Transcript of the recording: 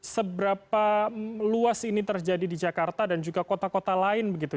seberapa luas ini terjadi di jakarta dan juga kota kota lain begitu